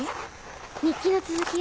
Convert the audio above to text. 日記の続きよ